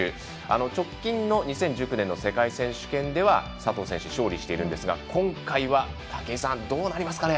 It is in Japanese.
直近の２０１９年の世界選手権では佐藤選手、勝利しているんですが今回は武井さん、どうなりますかね。